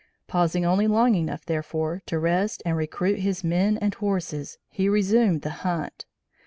Pausing only long enough, therefore, to rest and recruit his men and horses, he resumed the hunt.